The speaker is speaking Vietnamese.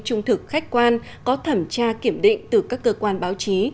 trung thực khách quan có thẩm tra kiểm định từ các cơ quan báo chí